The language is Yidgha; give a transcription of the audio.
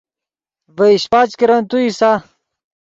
ڤے شیپچ کرن تو اِیسا